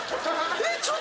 えっ？